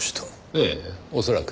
ええ恐らく。